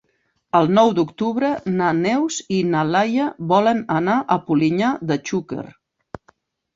El nou d'octubre na Neus i na Laia volen anar a Polinyà de Xúquer.